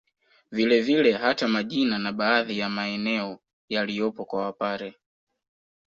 Vile vile hata majina na baadhi ya maeneo yaliyopo kwa Wapare